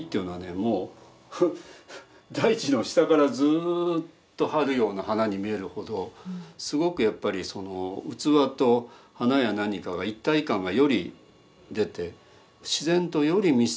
もう大地の下からずっとはうような花に見えるほどすごくやっぱり器と花や何かが一体感がより出て。